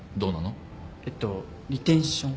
えっとリテンション？